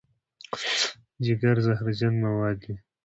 جګر زهرجن مواد پاکوي.